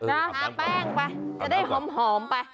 หาแป้งไปจะได้หอมไป